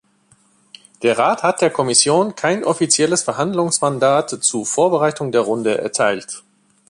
Der Rat hat der Kommission kein offizielles Verhandlungsmandat zur Vorbereitung der Runde erteilt.